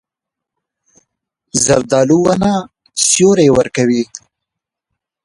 زردالو ونه سیوری ورکوي.